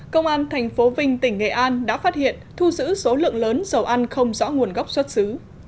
công an tp vinh tỉnh nghệ an đã phát hiện thu giữ số lượng lớn dầu ăn không rõ nguồn gốc xuất xứ